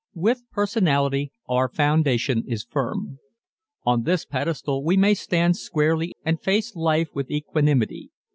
With personality our foundation is firm. On this pedestal we may stand squarely and face life with equanimity.